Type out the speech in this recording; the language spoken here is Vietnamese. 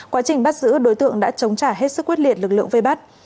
quá trình bắt giữ đối tượng đã chống trả hết sức quyết liệt lực lượng vây bắt